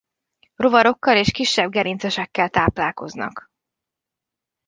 Rovarokkal és kisebb gerincesekkel táplálkoznak.